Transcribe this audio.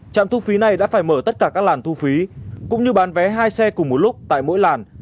trạm thu phí này đã phải mở tất cả các làn thu phí cũng như bán vé hai xe cùng một lúc tại mỗi làn